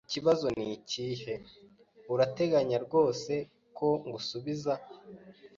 Ikibazo nikihe? Urateganya rwose ko ngusubiza?